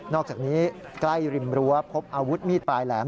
อกจากนี้ใกล้ริมรั้วพบอาวุธมีดปลายแหลม